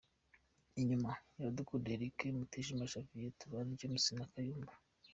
Inyuma:Iradukunda Eric, Mutijima Javier, Tubane James na Kayumba .